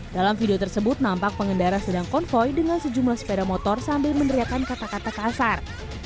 dalam video tersebut nampak pengendara sedang konvoy dengan sejumlah sepeda motor sambil meneriakan kata kata kasar